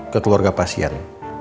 ke keluarga pasien